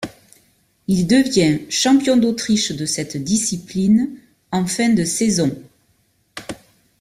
Il devient champion d'Autriche de cette discipline en fin de saison.